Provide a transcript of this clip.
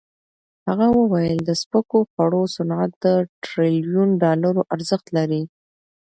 هغه وویل د سپکو خوړو صنعت د ټریلیون ډالرو ارزښت لري.